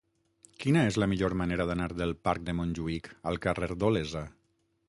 Quina és la millor manera d'anar del parc de Montjuïc al carrer d'Olesa?